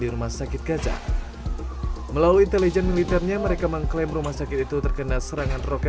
dan untuk memulai konsensus global tentang solusi dua negara